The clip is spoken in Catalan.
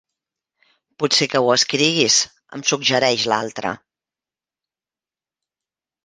Potser que ho escriguis, em suggereix l'altre.